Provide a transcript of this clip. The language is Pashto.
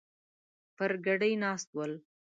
پر ګدۍ ناست ول.